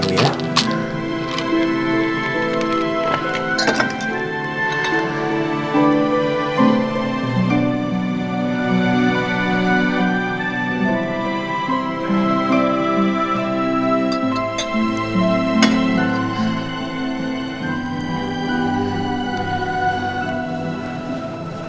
mama istirahat ya